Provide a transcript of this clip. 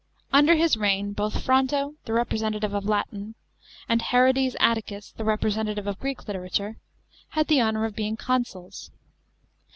Under his reign both Fronto, the representative of Latin, and Herodes Attlcus, the represen tative of Greek literature, had the honour of being consuls.